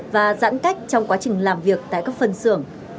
và giãn cách trong quá trình làm việc tại các phân xưởng